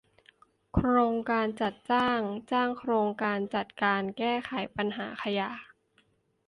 โครงการจัดจ้างจ้างโครงการจัดการแก้ไขปัญหาขยะ